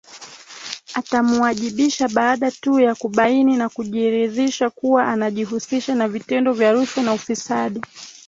Atamuwajibisha baada tu yakubaini na kujiridhisha kuwa anajihusisha na vitendo vya rushwa na ufisadi